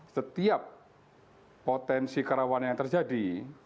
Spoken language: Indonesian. setiap potensi kerawanan yang terjadi